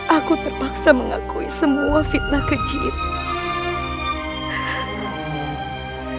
aku terpaksa mengakui semua fitnah keji itu